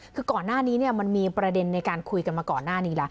คือก่อนหน้านี้มันมีประเด็นในการคุยกันมาก่อนหน้านี้แล้ว